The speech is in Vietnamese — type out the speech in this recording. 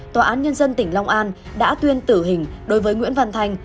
tòa án nhân dân tỉnh long an đã tuyên tử hình đối với nguyễn văn thanh